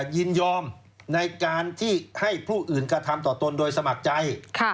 ยินยอมในการที่ให้ผู้อื่นกระทำต่อตนโดยสมัครใจ